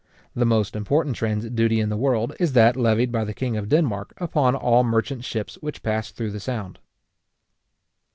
The most important transit duty in the world, is that levied by the king of Denmark upon all merchant ships which pass through the Sound.